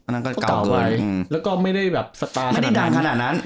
แล้วก็ไม่ได้สตาร์ขนาดนั้น